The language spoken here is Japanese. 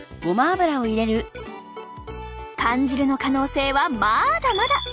缶汁の可能性はまだまだ！